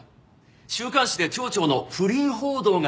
週刊誌で町長の不倫報道が出ましたが。